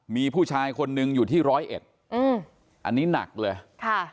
มีผู้ชายคนนึงอยู่ที่ร้อยเอ็ดอืมอันนี้หนักเลยค่ะ